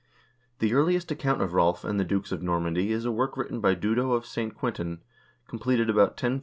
The earliest account of Rolv and the dukes of Normandy is a work written by Dudo of St. Quintin,2 completed about 1015.